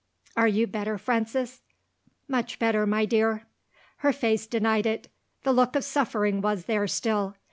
"Are you better, Frances?" "Much better, my dear." Her face denied it; the look of suffering was there still.